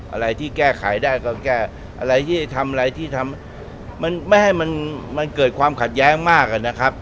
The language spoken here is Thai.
อะไรที่แก้ไขได้ก็แก้อะไรที่ทำอะไรที่ทำมันไม่ให้มันเกิดความขัดแย้งมากนะครับ